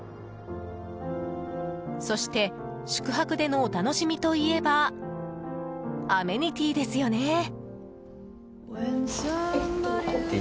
そして宿泊でのお楽しみといえばアメニティーですよね。